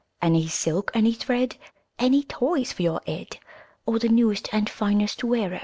Any silk, any thread, Any toys for your head, Of the newest and finest wear 0?